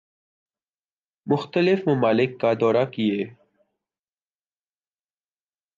مختلف ممالک کا دورہ کیے